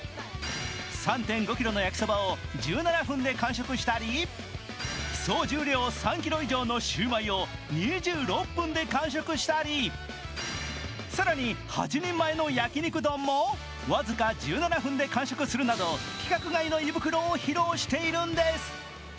３．５ｋｇの焼きそばを１７分で完食したり総重量３ｋｇ以上のシュウマイを２６分で完食したり更に８人前の焼き肉丼も僅か１７分で完食するなど規格外の胃袋を披露しているんです。